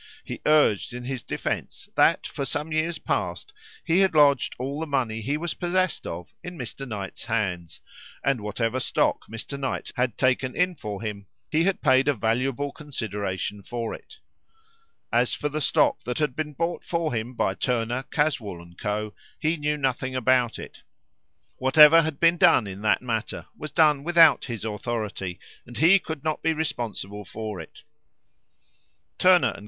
He urged in his defence that, for some years past, he had lodged all the money he was possessed of in Mr. Knight's hands, and whatever stock Mr. Knight had taken in for him, he had paid a valuable consideration for it. As for the stock that had been bought for him by Turner, Caswall, and Co., he knew nothing about it. Whatever had been done in that matter was done without his authority, and he could not be responsible for it. Turner and Co.